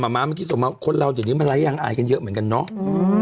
มาม้าเมื่อกี้ส่งมาคนเราอย่างนี้มาไล่อย่างอายกันเยอะเหมือนกันเนาะ